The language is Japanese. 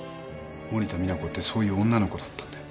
森田実那子ってそういう女の子だったんだよ。